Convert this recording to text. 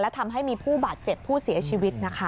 ทำให้มีผู้บาดเจ็บผู้เสียชีวิตนะคะ